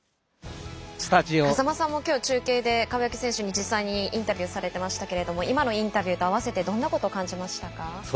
風間さんもきょう中継で川除選手に実際にインタビューされていましたが今のインタビューと合わせてどんなことを感じましたか？